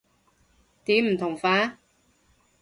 點唔同法？